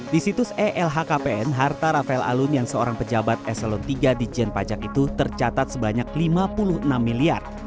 di situs elhkpn harta rafael alun yang seorang pejabat eselon iii di jen pajak itu tercatat sebanyak lima puluh enam miliar